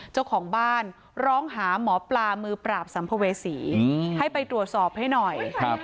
เจ้าของบ้านร้องหาหมอปลามือปราบสัมภเวษีให้ไปตรวจสอบให้หน่อย